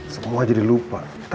semua jadi lupa